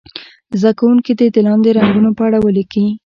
زده کوونکي دې د لاندې رنګونو په اړه ولیکي.